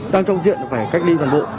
đang trong diện phải cách ly toàn bộ